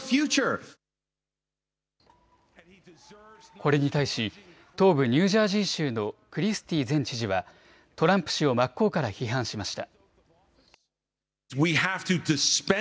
これに対し東部ニュージャージー州のクリスティー前知事はトランプ氏を真っ向から批判しました。